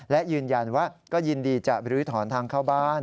และยืนยันว่าก็ยินดีจะบรื้อถอนทางเข้าบ้าน